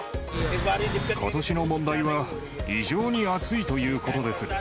ことしの問題は、異常に暑いということです。